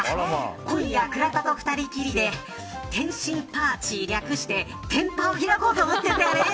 今夜、倉田と２人きりで点心パーティー略して点パを開こうと思ってるんだよね。